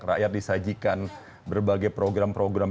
rakyat disajikan berbagai program program